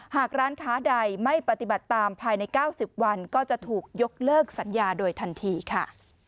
หากร้านค้าใดไม่ปฏิบัติตามภายใน๙๐วันก็จะถูกยกเลิกสัญญาโดยทันทีค่ะ